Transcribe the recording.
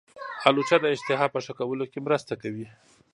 الوچه د اشتها په ښه کولو کې مرسته کوي.